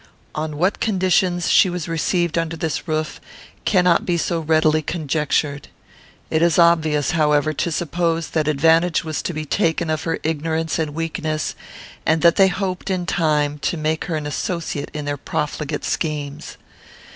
On what conditions she was received under this roof, cannot be so readily conjectured. It is obvious, however, to suppose that advantage was to be taken of her ignorance and weakness, and that they hoped, in time, to make her an associate in their profligate schemes.